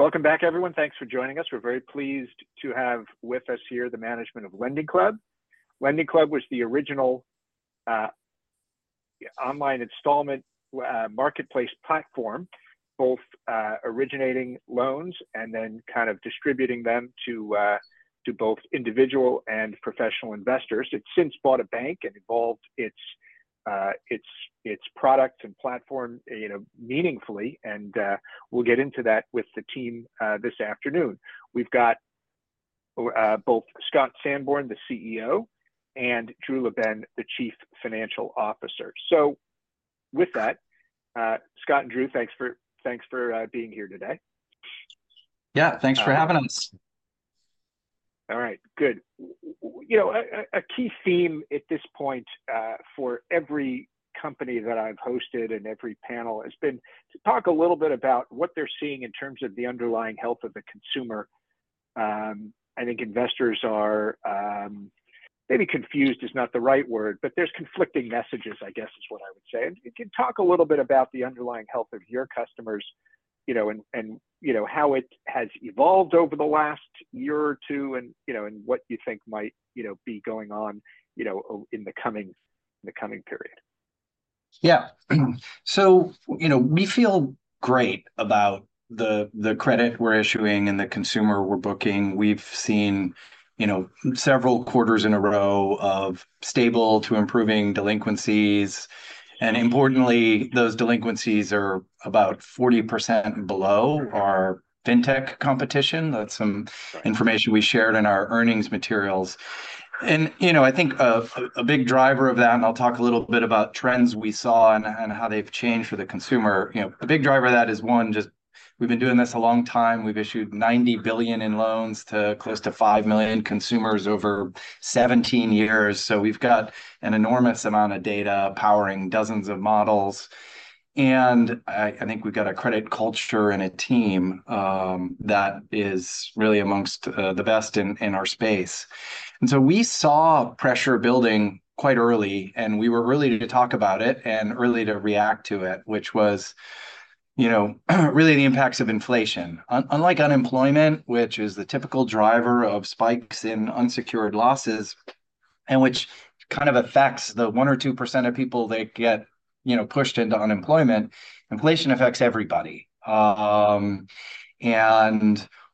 Great. Welcome back, everyone. Thanks for joining us. We're very pleased to have with us here the management of LendingClub. LendingClub was the original online installment marketplace platform, both originating loans and then kind of distributing them to both individual and professional investors. It's since bought a bank and evolved its product and platform, you know, meaningfully, and we'll get into that with the team this afternoon. We've got both Scott Sanborn, the CEO, and Drew LaBenne, the Chief Financial Officer. So with that, Scott and Drew, thanks for being here today. Yeah, thanks for having us. All right, good. You know, a key theme at this point, for every company that I've hosted and every panel has been to talk a little bit about what they're seeing in terms of the underlying health of the consumer. I think investors are, maybe "confused" is not the right word, but there's conflicting messages, I guess, is what I would say. If you'd talk a little bit about the underlying health of your customers, you know, and, and, you know, how it has evolved over the last year or two and, you know, and what you think might, you know, be going on, you know, in the coming period? Yeah. So, you know, we feel great about the, the credit we're issuing and the consumer we're booking. We've seen, you know, several quarters in a row of stable to improving delinquencies, and importantly, those delinquencies are about 40% below- Mm-hmm... our fintech competition. That's some- Right... information we shared in our earnings materials. And, you know, I think a big driver of that, and I'll talk a little bit about trends we saw and how they've changed for the consumer. You know, a big driver of that is, one, just we've been doing this a long time. We've issued $90 billion in loans to close to 5 million consumers over 17 years, so we've got an enormous amount of data powering dozens of models. And I think we've got a credit culture and a team that is really amongst the best in our space. And so we saw pressure building quite early, and we were early to talk about it and early to react to it, which was, you know, really the impacts of inflation. Unlike unemployment, which is the typical driver of spikes in unsecured losses, and which kind of affects the 1 or 2% of people that get, you know, pushed into unemployment, inflation affects everybody. And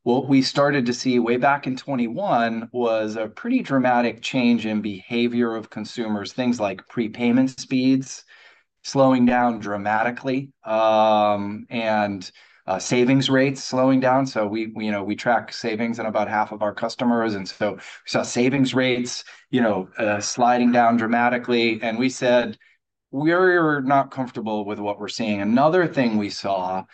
what we started to see way back in 2021 was a pretty dramatic change in behavior of consumers, things like prepayment speeds slowing down dramatically, and savings rates slowing down. So we, you know, we track savings in about half of our customers, and so we saw savings rates, you know, sliding down dramatically, and we said, "We're not comfortable with what we're seeing." Another thing we saw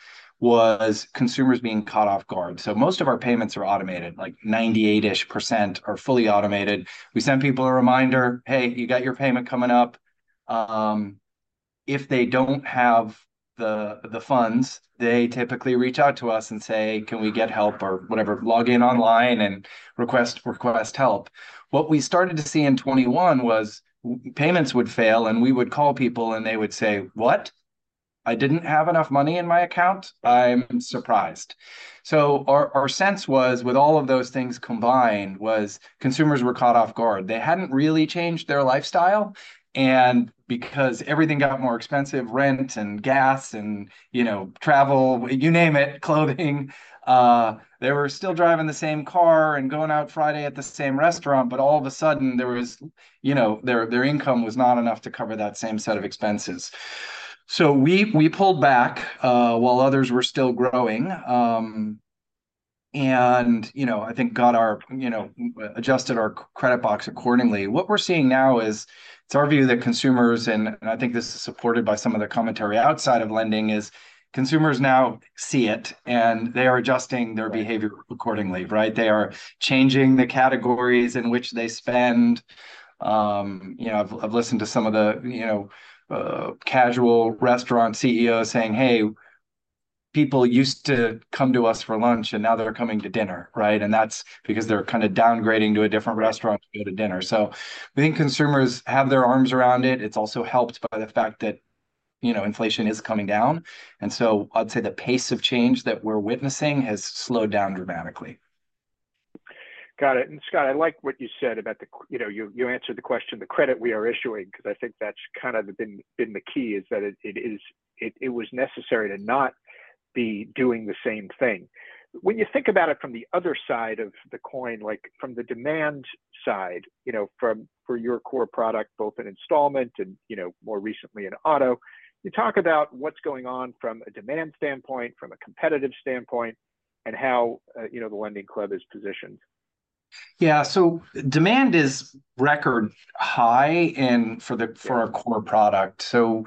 was consumers being caught off guard. So most of our payments are automated, like 98-ish% are fully automated. We send people a reminder, "Hey, you got your payment coming up." If they don't have the funds, they typically reach out to us and say, "Can we get help?" or whatever. Log in online and request help. What we started to see in 2021 was payments would fail, and we would call people, and they would say, "What? I didn't have enough money in my account? I'm surprised." So our sense was, with all of those things combined, consumers were caught off guard. They hadn't really changed their lifestyle, and because everything got more expensive, rent and gas and, you know, travel, you name it, clothing, they were still driving the same car and going out Friday at the same restaurant, but all of a sudden, there was... You know, their income was not enough to cover that same set of expenses. So we pulled back, while others were still growing, and, you know, I think got our... You know, adjusted our credit box accordingly. What we're seeing now is, it's our view that consumers, and I think this is supported by some of the commentary outside of lending, is consumers now see it, and they are adjusting their behavior accordingly, right? They are changing the categories in which they spend. You know, I've listened to some of the, you know, casual restaurant CEOs saying, "Hey, people used to come to us for lunch, and now they're coming to dinner," right? And that's because they're kind of downgrading to a different restaurant to go to dinner. So I think consumers have their arms around it. It's also helped by the fact that, you know, inflation is coming down, and so I'd say the pace of change that we're witnessing has slowed down dramatically. Got it. And Scott, I like what you said about the... You know, you answered the question, the credit we are issuing, 'cause I think that's kind of been the key, is that it is, it was necessary to not be doing the same thing. When you think about it from the other side of the coin, like from the demand side, you know, for your core product, both in installment and, you know, more recently in auto, you talk about what's going on from a demand standpoint, from a competitive standpoint, and how, you know, LendingClub is positioned. Yeah. So demand is record high in, for the- Yeah... for our core product. So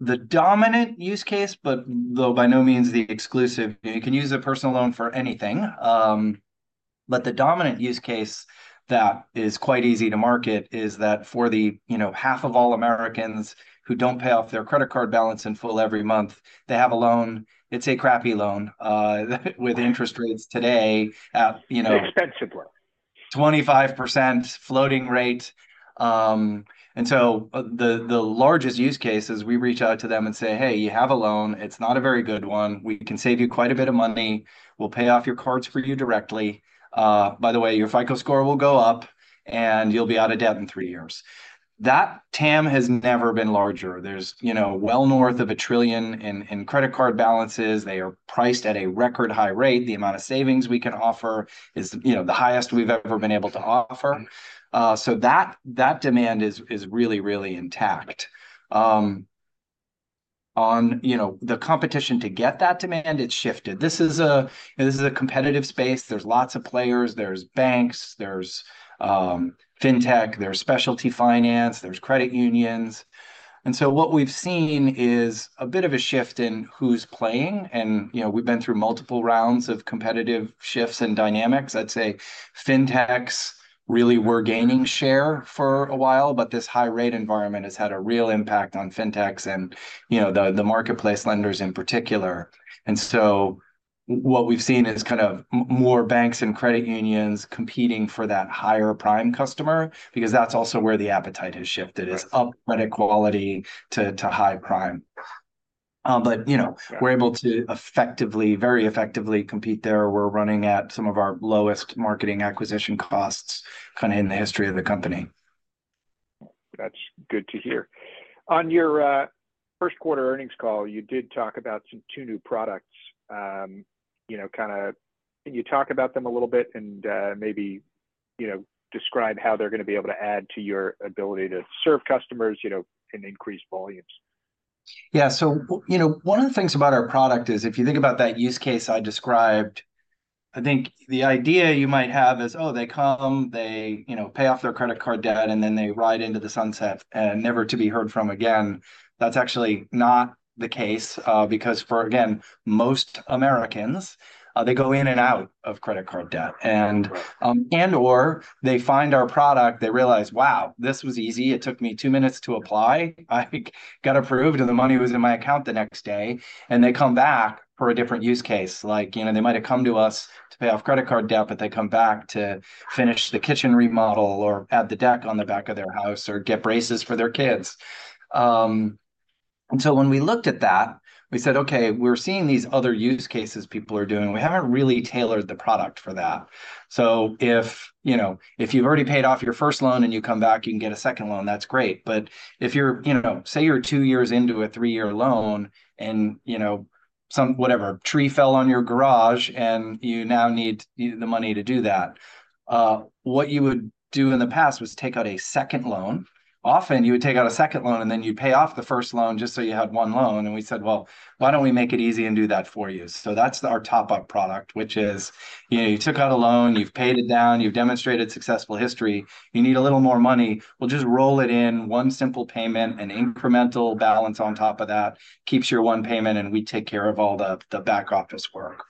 the dominant use case, but though by no means the exclusive, you can use a personal loan for anything, but the dominant use case that is quite easy to market is that for the, you know, half of all Americans who don't pay off their credit card balance in full every month, they have a loan. It's a crappy loan, with interest rates today at, you know- An expensive loan.... 25% floating rate. And so, the largest use case is we reach out to them and say, "Hey, you have a loan. It's not a very good one. We can save you quite a bit of money. We'll pay off your cards for you directly. By the way, your FICO score will go up, and you'll be out of debt in three years." That TAM has never been larger. There's, you know, well north of $1 trillion in credit card balances. They are priced at a record high rate. The amount of savings we can offer is, you know, the highest we've ever been able to offer. Mm. So that demand is really, really intact. On, you know, the competition to get that demand, it's shifted. This is a competitive space. There's lots of players. There's banks, there's fintech, there's specialty finance, there's credit unions, and so what we've seen is a bit of a shift in who's playing, and, you know, we've been through multiple rounds of competitive shifts and dynamics. I'd say fintechs really were gaining share for a while, but this high rate environment has had a real impact on fintechs and, you know, the marketplace lenders in particular. And so what we've seen is kind of more banks and credit unions competing for that higher prime customer because that's also where the appetite has shifted. Right... is up credit quality to high prime. But, you know- Yeah... we're able to effectively, very effectively compete there. We're running at some of our lowest marketing acquisition costs kind of in the history of the company. That's good to hear. On your first quarter earnings call, you did talk about some two new products. You know, kind of can you talk about them a little bit and, maybe, you know, describe how they're gonna be able to add to your ability to serve customers, you know, and increase volumes? Yeah. So, you know, one of the things about our product is, if you think about that use case I described, I think the idea you might have is, oh, they come, they, you know, pay off their credit card debt, and then they ride into the sunset and never to be heard from again. That's actually not the case, because for, again, most Americans, they go in and out of credit card debt, and- Right... and/or they find our product, they realize, "Wow, this was easy. It took me 2 minutes to apply. I got approved, and the money was in my account the next day." And they come back for a different use case. Like, you know, they might have come to us to pay off credit card debt, but they come back to finish the kitchen remodel or add the deck on the back of their house or get braces for their kids. And so when we looked at that, we said, "Okay, we're seeing these other use cases people are doing. We haven't really tailored the product for that." So if, you know, if you've already paid off your first loan and you come back, you can get a second loan, that's great, but if you're... You know, say, you're 2 years into a 3-year loan, and, you know, some, whatever, tree fell on your garage, and you now need the money to do that, what you would do in the past was take out a second loan. Often, you would take out a second loan, and then you'd pay off the first loan just so you had one loan. And we said, "Well, why don't we make it easy and do that for you?" So that's our TopUp product, which is, you know, you took out a loan, you've paid it down, you've demonstrated successful history. You need a little more money. We'll just roll it in, one simple payment, an incremental balance on top of that. Keeps your one payment, and we take care of all the, the back office work.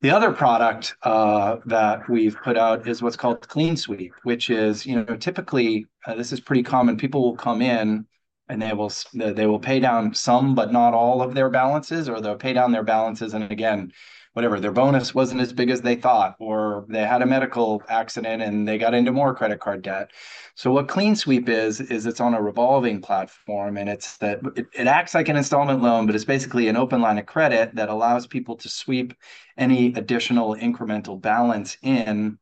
The other product that we've put out is what's called the Clean Sweep, which is, you know, typically, this is pretty common. People will come in, and they will pay down some, but not all of their balances, or they'll pay down their balances, and again, whatever, their bonus wasn't as big as they thought, or they had a medical accident, and they got into more credit card debt. So what Clean Sweep is, is it's on a revolving platform, and it's that... It, it acts like an installment loan, but it's basically an open line of credit that allows people to sweep any additional incremental balance in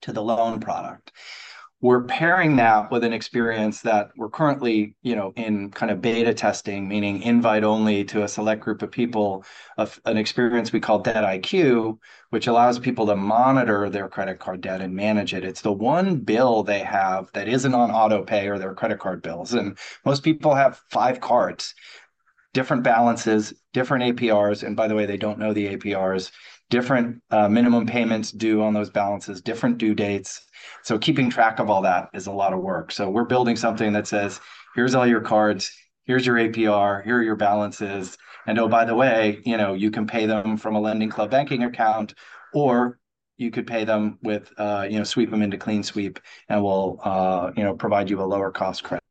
to the loan product. We're pairing that with an experience that we're currently, you know, in kind of beta testing, meaning invite only to a select group of people, of an experience we call DebtIQ, which allows people to monitor their credit card debt and manage it. It's the one bill they have that isn't on auto pay or their credit card bills, and most people have five cards, different balances, different APRs, and by the way, they don't know the APRs. Different minimum payments due on those balances, different due dates, so keeping track of all that is a lot of work. So we're building something that says, "Here's all your cards, here's your APR, here are your balances, and oh, by the way, you know, you can pay them from a LendingClub banking account, or you could pay them with, you know, sweep them into Clean Sweep, and we'll, you know, provide you a lower-cost credit."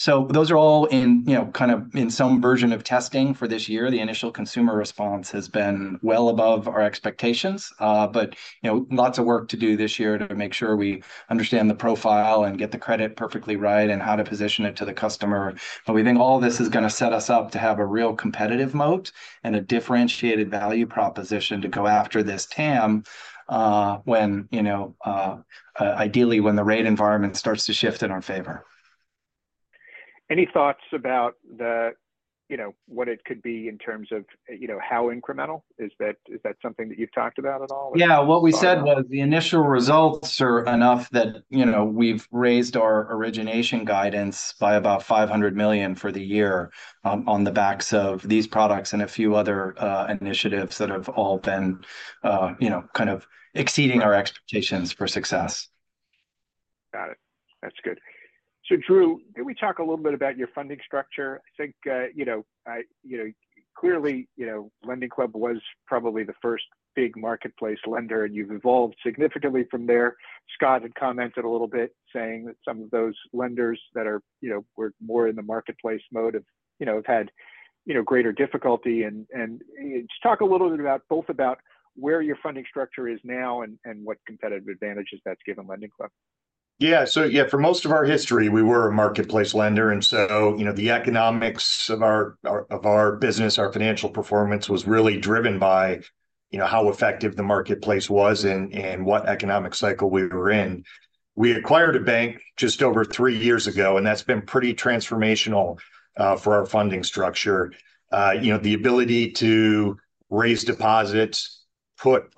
So those are all in, you know, kind of in some version of testing for this year. The initial consumer response has been well above our expectations. But, you know, lots of work to do this year to make sure we understand the profile and get the credit perfectly right and how to position it to the customer. But we think all this is gonna set us up to have a real competitive moat and a differentiated value proposition to go after this TAM, when, you know, ideally when the rate environment starts to shift in our favor. Any thoughts about the, you know, what it could be in terms of, you know, how incremental? Is that something that you've talked about at all? Yeah. Or thought about? What we said was the initial results are enough that, you know, we've raised our origination guidance by about $500 million for the year, on the backs of these products and a few other, you know, kind of exceeding- Right... our expectations for success. Got it. That's good. So Drew, can we talk a little bit about your funding structure? I think, you know, I, you know, clearly, you know, LendingClub was probably the first big marketplace lender, and you've evolved significantly from there. Scott had commented a little bit, saying that some of those lenders that are, you know, were more in the marketplace mode have, you know, have had you know, greater difficulty. And just talk a little bit about both about where your funding structure is now and what competitive advantages that's given LendingClub. Yeah. So yeah, for most of our history, we were a marketplace lender, and so, you know, the economics of our business, our financial performance, was really driven by, you know, how effective the marketplace was and what economic cycle we were in. We acquired a bank just over three years ago, and that's been pretty transformational for our funding structure. You know, the ability to raise deposits, put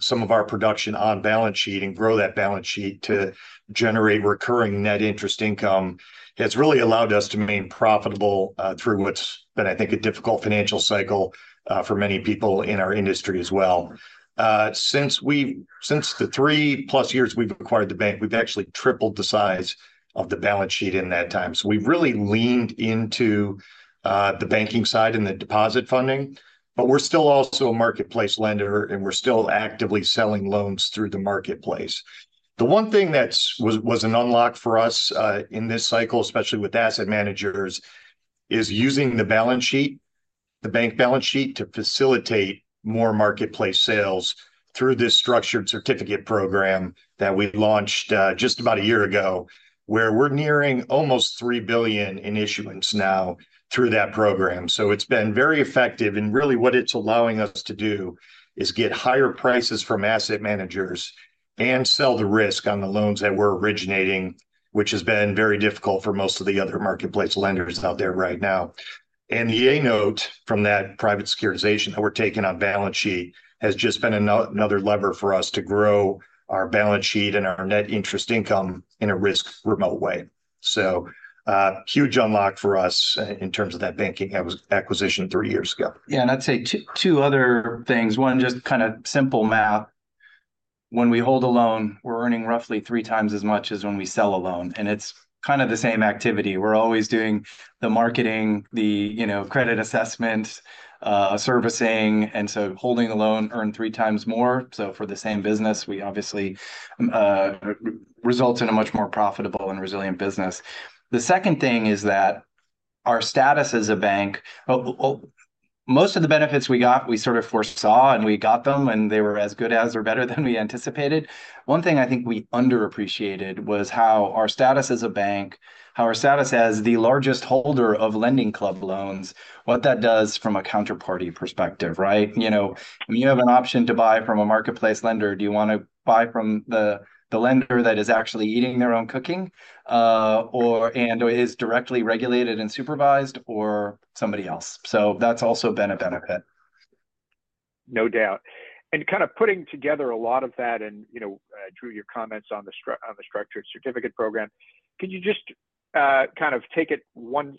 some of our production on balance sheet and grow that balance sheet to generate recurring net interest income has really allowed us to remain profitable through what's been, I think, a difficult financial cycle for many people in our industry as well. Since the three-plus years we've acquired the bank, we've actually tripled the size of the balance sheet in that time. So we've really leaned into the banking side and the deposit funding, but we're still also a marketplace lender, and we're still actively selling loans through the marketplace. The one thing that was an unlock for us in this cycle, especially with asset managers, is using the balance sheet, the bank balance sheet, to facilitate more marketplace sales through this structured certificate program that we launched just about a year ago, where we're nearing almost $3 billion in issuance now through that program. So it's been very effective, and really, what it's allowing us to do is get higher prices from asset managers and sell the risk on the loans that we're originating, which has been very difficult for most of the other marketplace lenders out there right now. The A-note from that private securitization that we're taking on balance sheet has just been another lever for us to grow our balance sheet and our net interest income in a risk remote way. So, huge unlock for us in terms of that banking acquisition three years ago. Yeah, and I'd say two other things. One, just kinda simple math. When we hold a loan, we're earning roughly three times as much as when we sell a loan, and it's kind of the same activity. We're always doing the marketing, the, you know, credit assessment, servicing, and so holding a loan earn three times more, so for the same business, we obviously results in a much more profitable and resilient business. The second thing is that our status as a bank... Well, most of the benefits we got, we sort of foresaw, and we got them, and they were as good as or better than we anticipated. One thing I think we underappreciated was how our status as a bank, how our status as the largest holder of LendingClub loans, what that does from a counterparty perspective, right? You know, when you have an option to buy from a marketplace lender, do you wanna buy from the lender that is actually eating their own cooking, or and is directly regulated and supervised or somebody else? So that's also been a benefit. No doubt. And kind of putting together a lot of that and, you know, Drew, your comments on the structured certificate program, can you just kind of take it one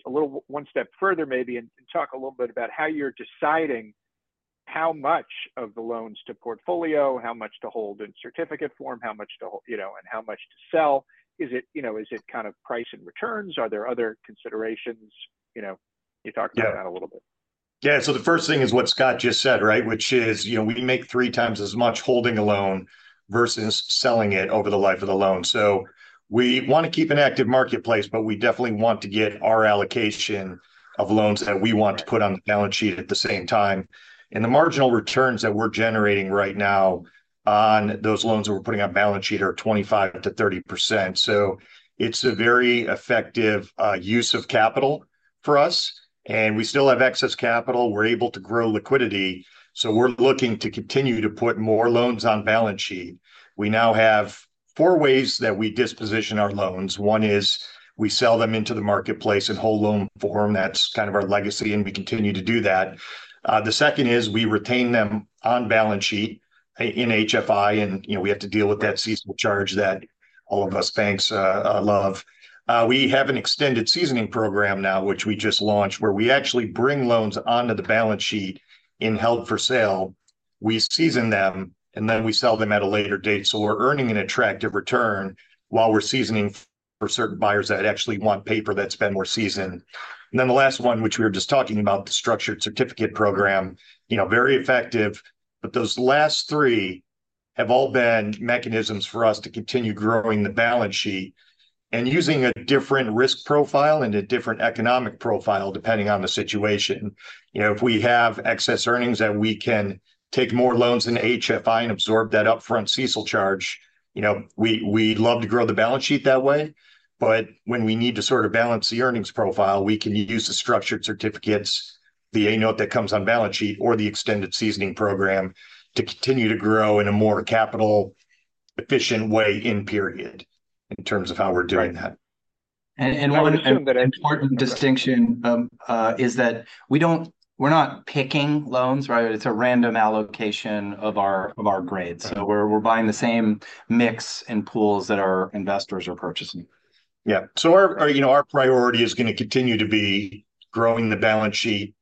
step further maybe, and talk a little bit about how you're deciding how much of the loans to portfolio, how much to hold in certificate form, how much to hold, you know, and how much to sell? Is it, you know, is it kind of price and returns? Are there other considerations? You know, can you talk about- Yeah... that a little bit? Yeah, so the first thing is what Scott just said, right? Which is, you know, we make three times as much holding a loan versus selling it over the life of the loan. So we want to keep an active marketplace, but we definitely want to get our allocation of loans that we want to put on the balance sheet at the same time. And the marginal returns that we're generating right now on those loans that we're putting on balance sheet are 25%-30%, so it's a very effective use of capital for us. And we still have excess capital. We're able to grow liquidity, so we're looking to continue to put more loans on balance sheet. We now have four ways that we disposition our loans. One is we sell them into the marketplace in whole loan form. That's kind of our legacy, and we continue to do that. The second is we retain them on balance sheet, in HFI, and, you know, we have to deal with that seasonal charge that all of us banks love. We have an extended seasoning program now, which we just launched, where we actually bring loans onto the balance sheet in held for sale. We season them, and then we sell them at a later date. So we're earning an attractive return while we're seasoning for certain buyers that actually want paper that's been more seasoned. And then the last one, which we were just talking about, the structured certificate program, you know, very effective, but those last three have all been mechanisms for us to continue growing the balance sheet and using a different risk profile and a different economic profile, depending on the situation. You know, if we have excess earnings that we can take more loans in HFI and absorb that upfront CECL charge, you know, we, we'd love to grow the balance sheet that way. But when we need to sort of balance the earnings profile, we can use the structured certificates, the A-note that comes on balance sheet, or the extended seasoning program to continue to grow in a more capital efficient way in period, in terms of how we're doing that. And one- I would add-... important distinction, is that we don't-- we're not picking loans, right? It's a random allocation of our, of our grades. Right. So we're buying the same mix and pools that our investors are purchasing. Yeah. So our, you know, our priority is gonna continue to be growing the balance sheet,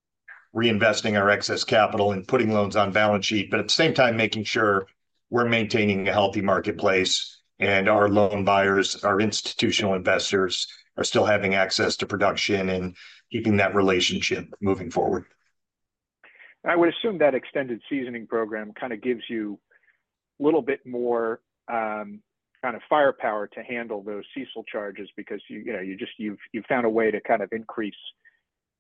reinvesting our excess capital, and putting loans on balance sheet, but at the same time, making sure we're maintaining a healthy marketplace, and our loan buyers, our institutional investors, are still having access to production and keeping that relationship moving forward.... and I would assume that extended seasoning program kind of gives you a little bit more kind of firepower to handle those CECL charges because you know you've found a way to kind of increase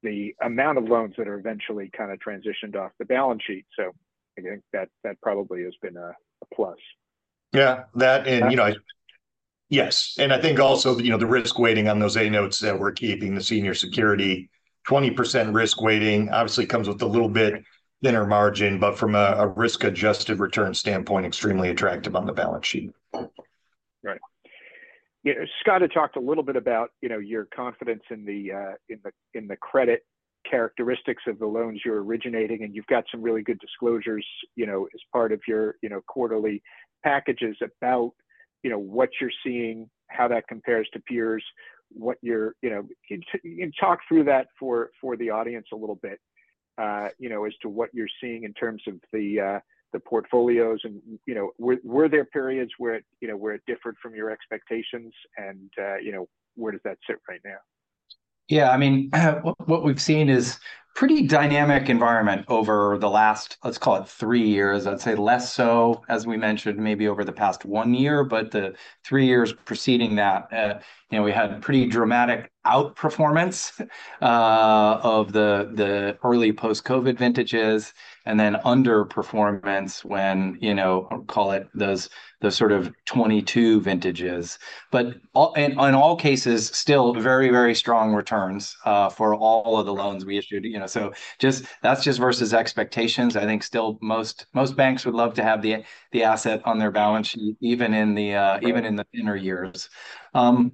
the amount of loans that are eventually kind of transitioned off the balance sheet. So I think that probably has been a plus. Yeah, that and, you know, yes, and I think also, you know, the risk weighting on those A-notes that we're keeping, the senior security. 20% risk weighting obviously comes with a little bit thinner margin, but from a risk-adjusted return standpoint, extremely attractive on the balance sheet. Right. Yeah, Scott had talked a little bit about, you know, your confidence in the credit characteristics of the loans you're originating, and you've got some really good disclosures, you know, as part of your, you know, quarterly packages about, you know, what you're seeing, how that compares to peers, what you're... You know, can you talk through that for the audience a little bit, you know, as to what you're seeing in terms of the portfolios and, you know, were there periods where, you know, where it differed from your expectations? And, you know, where does that sit right now? Yeah, I mean, what we've seen is pretty dynamic environment over the last, let's call it, three years. I'd say less so, as we mentioned, maybe over the past one year, but the three years preceding that, you know, we had pretty dramatic outperformance of the early post-COVID vintages, and then underperformance when, you know, call it those sort of 2022 vintages. But all and in all cases, still very, very strong returns for all of the loans we issued, you know. So just, that's just versus expectations. I think still most banks would love to have the asset on their balance sheet, even in the. Right... even in the thinner years. You know,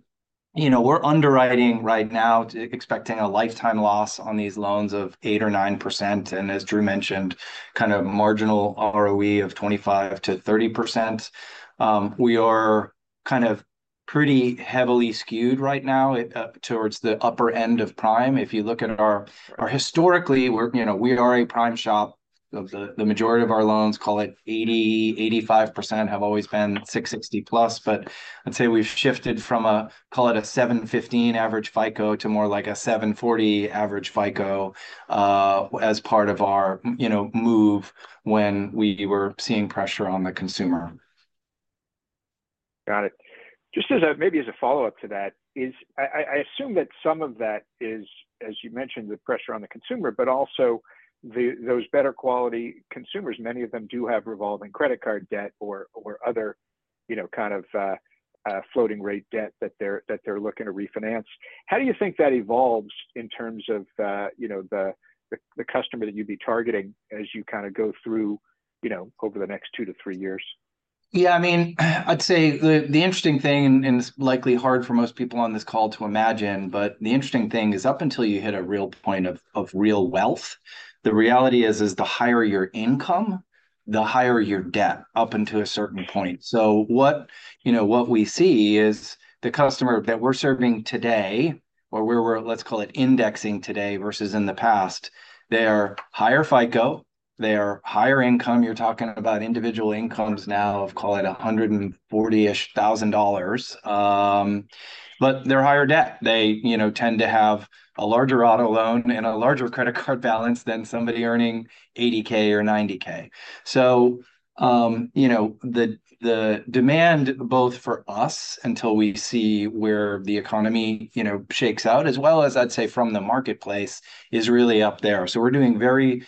The majority of our loans, call it, 80-85%, have always been 660+, but I'd say we've shifted from a, call it, a 715 average FICO to more like a 740 average FICO as part of our move when we were seeing pressure on the consumer. Got it. Just as a maybe as a follow-up to that, I assume that some of that is, as you mentioned, the pressure on the consumer, but also those better quality consumers, many of them do have revolving credit card debt or other, you know, kind of floating rate debt that they're looking to refinance. How do you think that evolves in terms of, you know, the customer that you'd be targeting as you kind of go through, you know, over the next 2-3 years? Yeah, I mean, I'd say the interesting thing, and it's likely hard for most people on this call to imagine, but the interesting thing is, up until you hit a real point of real wealth, the reality is the higher your income, the higher your debt, up until a certain point. So what, you know, what we see is the customer that we're serving today, or where we're, let's call it, indexing today versus in the past, they are higher FICO, they are higher income. You're talking about individual incomes now of, call it, $140,000-ish. But they're higher debt. They, you know, tend to have a larger auto loan and a larger credit card balance than somebody earning $80K or $90K. So, you know, the demand both for us until we see where the economy, you know, shakes out, as well as, I'd say, from the marketplace, is really up there. So we're doing very...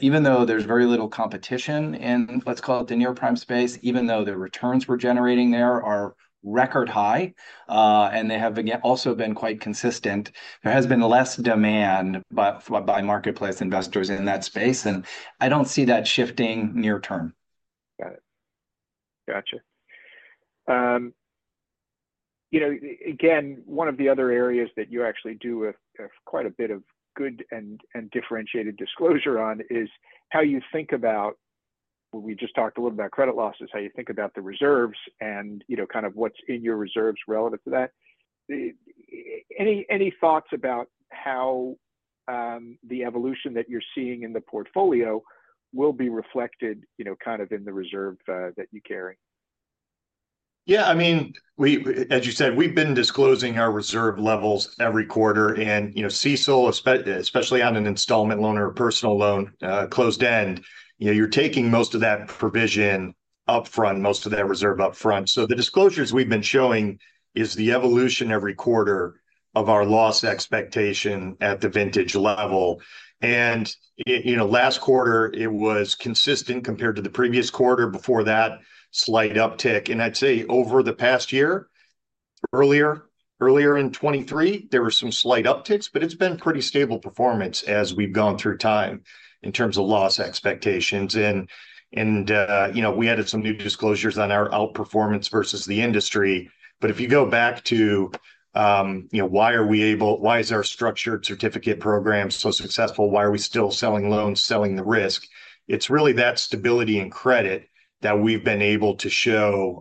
Even though there's very little competition in, let's call it, the near prime space, even though the returns we're generating there are record high, and they have again, also been quite consistent, there has been less demand by, by marketplace investors in that space, and I don't see that shifting near-term. Got it. Gotcha. You know, again, one of the other areas that you actually do quite a bit of good and differentiated disclosure on is how you think about, well, we just talked a little about credit losses, how you think about the reserves and, you know, kind of what's in your reserves relative to that. Any thoughts about how the evolution that you're seeing in the portfolio will be reflected, you know, kind of in the reserve that you carry? Yeah, I mean, we, as you said, we've been disclosing our reserve levels every quarter, and, you know, CECL, especially on an installment loan or a personal loan, closed end, you know, you're taking most of that provision upfront, most of that reserve upfront. So the disclosures we've been showing is the evolution every quarter of our loss expectation at the vintage level. And, you know, last quarter it was consistent compared to the previous quarter. Before that, slight uptick, and I'd say over the past year, earlier in 2023, there were some slight upticks, but it's been pretty stable performance as we've gone through time in terms of loss expectations. And, you know, we added some new disclosures on our outperformance versus the industry. But if you go back to, you know, why is our structured certificate program so successful? Why are we still selling loans, selling the risk? It's really that stability and credit that we've been able to show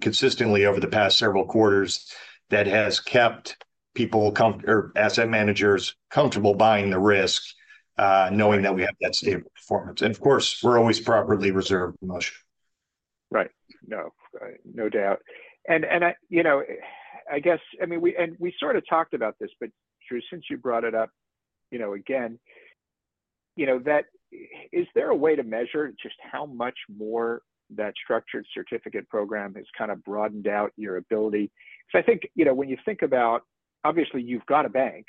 consistently over the past several quarters that has kept people comfortable or asset managers comfortable buying the risk, knowing that we have that stable performance. And of course, we're always properly reserved, Moshe.... Right. No, no doubt. And I, you know, I guess, I mean, we sort of talked about this, but Drew, since you brought it up, you know, again, you know, is there a way to measure just how much more that structured certificate program has kind of broadened out your ability? So I think, you know, when you think about obviously you've got a bank,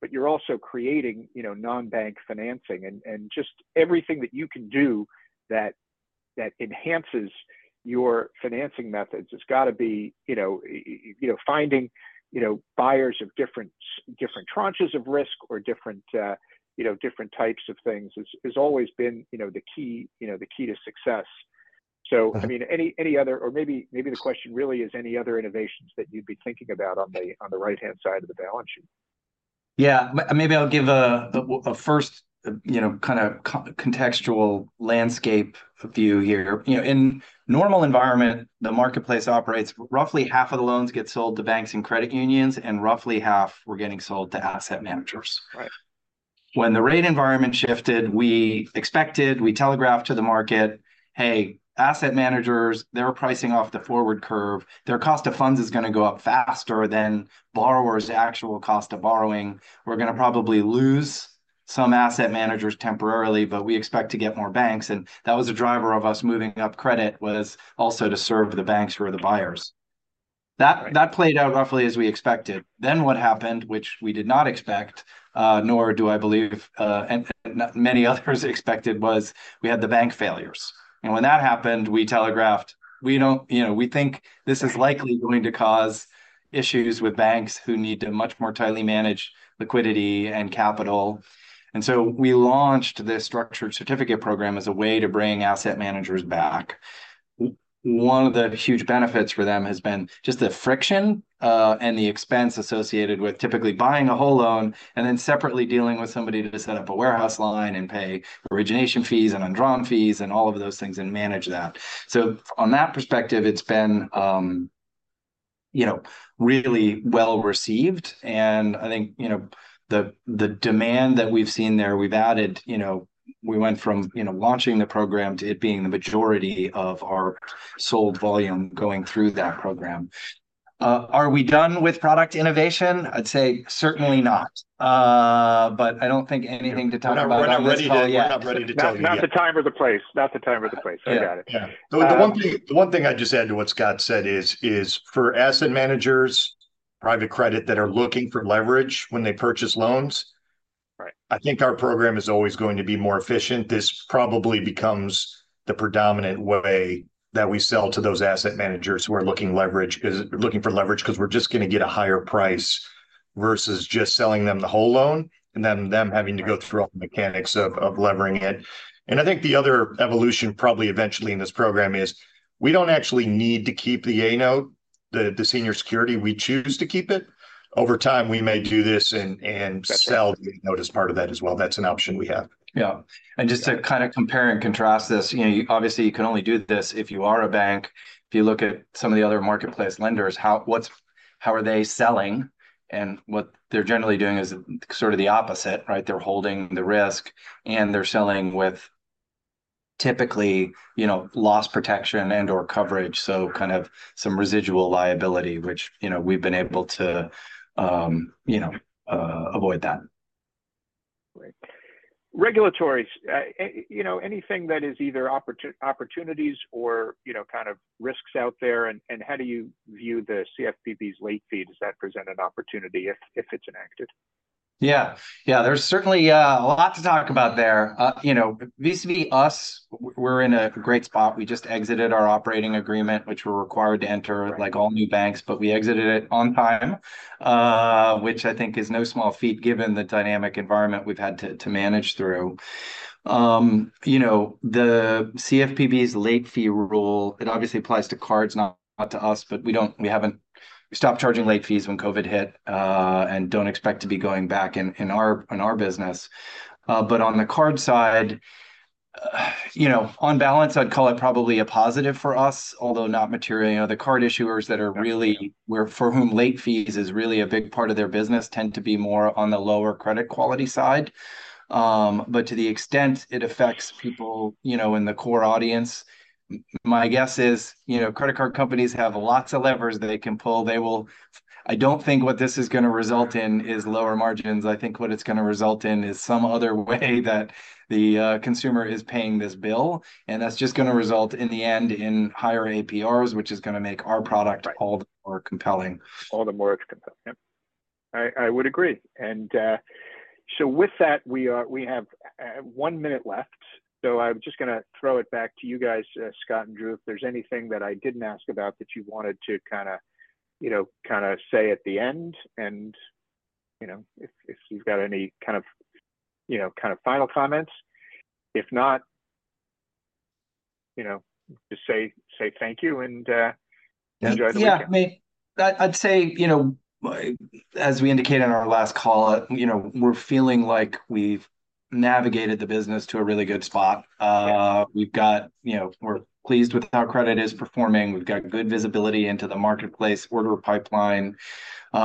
but you're also creating, you know, non-bank financing and just everything that you can do that enhances your financing methods, it's got to be, you know, you know, finding, you know, buyers of different tranches of risk or different, you know, different types of things has always been, you know, the key, you know, the key to success. Uh. So, I mean, any other, or maybe the question really is, any other innovations that you'd be thinking about on the right-hand side of the balance sheet? Yeah. Maybe I'll give a first, you know, kind of contextual landscape view here. You know, in normal environment, the marketplace operates roughly half of the loans get sold to banks and credit unions, and roughly half were getting sold to asset managers. Right. When the rate environment shifted, we expected, we telegraphed to the market, "Hey, asset managers, they're pricing off the forward curve. Their cost of funds is going to go up faster than borrowers' actual cost of borrowing. We're going to probably lose some asset managers temporarily, but we expect to get more banks." And that was a driver of us moving up credit, was also to serve the banks who are the buyers. Right. That, that played out roughly as we expected. Then what happened, which we did not expect, nor do I believe, and many others expected, was we had the bank failures. And when that happened, we telegraphed. We don't. You know, we think this is likely going to cause issues with banks who need to much more tightly manage liquidity and capital. And so we launched this structured certificate program as a way to bring asset managers back. One of the huge benefits for them has been just the friction, and the expense associated with typically buying a whole loan, and then separately dealing with somebody to set up a warehouse line and pay origination fees and undrawn fees, and all of those things, and manage that. So on that perspective, it's been, you know, really well-received. And I think, you know, the demand that we've seen there, we've added, you know... we went from, you know, launching the program to it being the majority of our sold volume going through that program. Are we done with product innovation? I'd say certainly not. But I don't think anything to talk about on this call yet. We're not ready to tell you yet. Not the time or the place. Not the time or the place. Yeah. I got it. Yeah. Um- The one thing I'd just add to what Scott said is for asset managers, private credit that are looking for leverage when they purchase loans. Right... I think our program is always going to be more efficient. This probably becomes the predominant way that we sell to those asset managers who are looking for leverage, 'cause we're just going to get a higher price versus just selling them the whole loan, and then them having to go- Right... through all the mechanics of levering it. And I think the other evolution probably eventually in this program is, we don't actually need to keep the A-note, the senior security. We choose to keep it. Over time, we may do this and sell- Right... the note as part of that as well. That's an option we have. Yeah. And just to kind of compare and contrast this, you know, you obviously can only do this if you are a bank. If you look at some of the other marketplace lenders, how are they selling? And what they're generally doing is sort of the opposite, right? They're holding the risk, and they're selling with typically, you know, loss protection and/or coverage, so kind of some residual liability, which, you know, we've been able to avoid that. Right. Regulatory, you know, anything that is either opportunities or, you know, kind of risks out there, and how do you view the CFPB's late fee? Does that present an opportunity if it's enacted? Yeah. Yeah, there's certainly a lot to talk about there. You know, vis-à-vis us, we're in a great spot. We just exited our Operating Agreement, which we're required to enter- Right... like all new banks, but we exited it on time, which I think is no small feat, given the dynamic environment we've had to manage through. You know, the CFPB's late fee rule, it obviously applies to cards, not to us, but we stopped charging late fees when COVID hit, and don't expect to be going back in our business. But on the card side, you know, on balance, I'd call it probably a positive for us, although not material. You know, the card issuers that are really- Right... where for whom late fees is really a big part of their business, tend to be more on the lower credit quality side. But to the extent it affects people, you know, in the core audience, my guess is, you know, credit card companies have lots of levers they can pull. They will- I don't think what this is going to result in is lower margins. I think what it's going to result in is some other way that the consumer is paying this bill, and that's just going to result, in the end, in higher APRs, which is going to make our product- Right... all the more compelling. All the more compelling, yeah. I would agree. So with that, we have one minute left, so I'm just going to throw it back to you guys, Scott and Drew, if there's anything that I didn't ask about that you wanted to kind of, you know, kind of say at the end, and, you know, if you've got any kind of, you know, kind of final comments. If not, you know, just say thank you and- Yeah... enjoy the weekend. Yeah, I mean, I'd say, you know, as we indicated on our last call, you know, we're feeling like we've navigated the business to a really good spot. Yeah. We've got, you know, we're pleased with how credit is performing. We've got good visibility into the marketplace, order pipeline.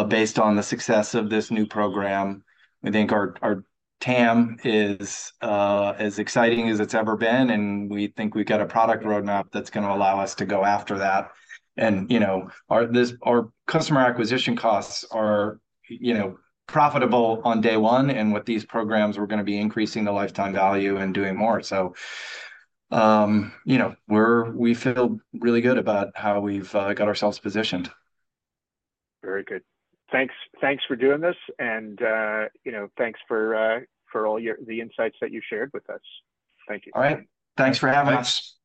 Based on the success of this new program, we think our TAM is as exciting as it's ever been, and we think we've got a product roadmap that's going to allow us to go after that. And, you know, our customer acquisition costs are, you know, profitable on day one, and with these programs, we're going to be increasing the lifetime value and doing more. So, you know, we feel really good about how we've got ourselves positioned. Very good. Thanks, thanks for doing this, and you know, thanks for all your insights that you shared with us. Thank you. All right. Thanks for having us.